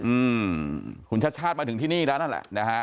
อืมคุณชาติชาติมาถึงที่นี่แล้วนั่นแหละนะฮะ